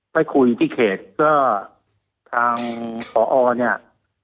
ไปคุยที่เขตก็ทางผอเนี่ย